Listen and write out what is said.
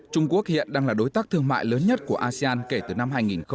trung quốc hiện đang là đối tác thương mại lớn nhất của asean kể từ năm hai nghìn chín